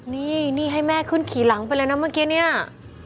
นี่นี่ให้แม่ขึ้นขี่หลังไปเลยนะเมื่อกี้เนี่ย